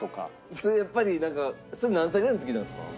それやっぱりそれ何歳ぐらいの時なんですか？